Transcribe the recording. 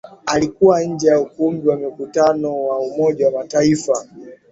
Alikuwa nje ya Ukumbi wa mikutano wa Umoja wa Mataifa